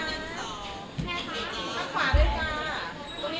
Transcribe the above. เราเป็นเครื่องสบายประโยชน์